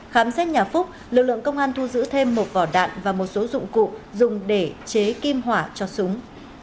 khám xét nhà phúc lực lượng công an thu giữ thêm một vỏ đạn và một số dụng cụ dùng để chế kim hỏa cho súng